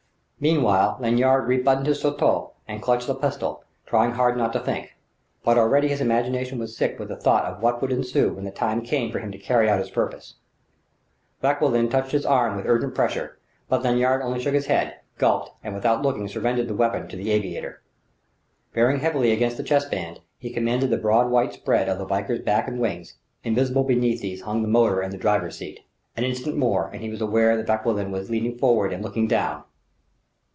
Meanwhile, Lanyard rebuttoned his surtout and clutched the pistol, trying hard not to think. But already his imagination was sick with the thought of what would ensue when the time came for him to carry out his purpose. Vauquelin touched his arm with urgent pressure; but Lanyard only shook his head, gulped, and without looking surrendered the weapon to the aviator.... Bearing heavily against the chest band, he commanded the broad white spread of the Valkyr's back and wings. Invisible beneath these hung the motor and driver's seat. An instant more, and he was aware that Vauquelin was leaning forward and looking down.